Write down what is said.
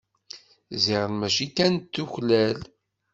Ziɣen mačči kan tuklal.